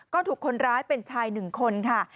ก็ถูกคนร้ายเป็นชาย๑คนค่ะ